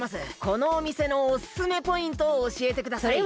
このおみせのおすすめポイントをおしえてください。